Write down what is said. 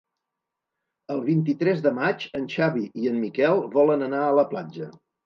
El vint-i-tres de maig en Xavi i en Miquel volen anar a la platja.